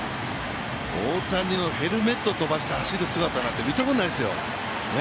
大谷のヘルメット飛ばして走る姿なんて見たことないですよ。